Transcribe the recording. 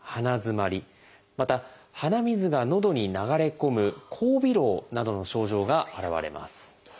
また鼻水がのどに流れ込む「後鼻漏」などの症状が現れます。